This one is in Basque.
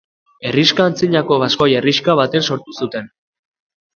Herrixka antzinako baskoi herrixka batean sortu zuten.